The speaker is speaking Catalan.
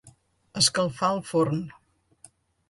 Escalfar el forn.